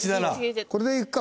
これでいくか？